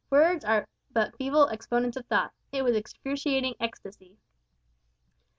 words are but feeble exponents of thought: it was excruciating ecstasy!